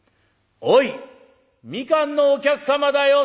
おい蜜柑のお客様だよ！」。